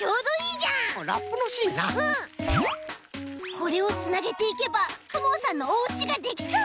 これをつなげていけばくもさんのおうちができそう！